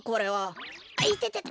いててて！